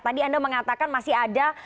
tadi anda mengatakan masih ada